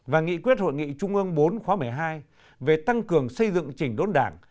và nghị quyết hội nghị trung ương bốn khóa một mươi hai về tăng cường xây dựng chỉnh đốn đảng